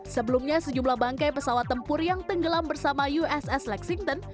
sebelumnya sejumlah bangkai pesawat tempur yang tenggelam bersama uss lexington